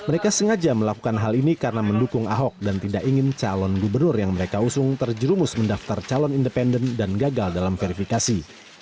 mereka sengaja melakukan hal ini karena mendukung ahok dan tidak ingin calon gubernur yang mereka usung terjerumus mendaftar calon independen dan gagal dalam verifikasi